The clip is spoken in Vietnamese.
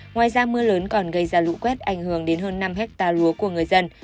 ngoài ra mưa lớn còn gây ra lũ quét ảnh hưởng đến hơn năm hectare lúa của người dân